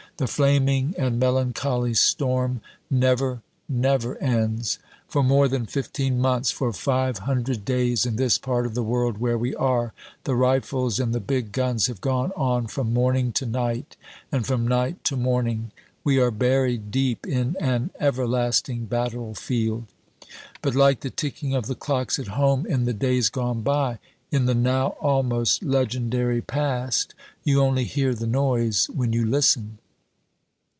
The flaming and melancholy storm never, never ends. For more than fifteen months, for five hundred days in this part of the world where we are, the rifles and the big guns have gone on from morning to night and from night to morning. We are buried deep in an everlasting battlefield; but like the ticking of the clocks at home in the days gone by in the now almost legendary Past you only hear the noise when you listen.